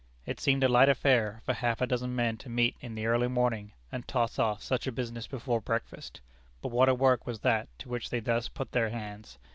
It seemed a light affair, for half a dozen men to meet in the early morning and toss off such a business before breakfast. But what a work was that to which they thus put their hands!